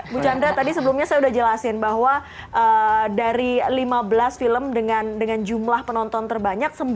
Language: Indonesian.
bu chandra tadi sebelumnya saya sudah jelasin bahwa dari lima belas film dengan jumlah penonton terbanyak